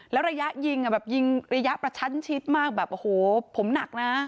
แล้วระยะยิงอ่ะแบบยิงระยะประชันชิดมากแบบโอ้โหผมหนักนะ